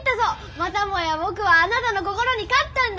またもやぼくはあなたの心に勝ったんだ！